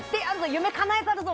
夢かなえたるぞ！